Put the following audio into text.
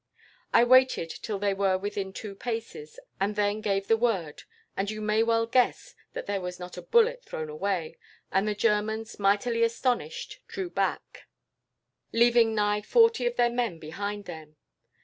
I waited till they were within two paces, and then gave the word, and you may well guess that there was not a bullet thrown away, and the Germans, mightily astonished, drew back, leaving nigh forty of their men behind them.